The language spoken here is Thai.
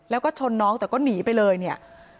แล้วก็ชนน้องแต่ก็หนีไปเลยเนี่ย